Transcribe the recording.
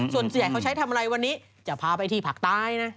ส่วนใหญ่เขาใช้ทำอะไรวันนี้จะพาไปที่ภาคใต้นะ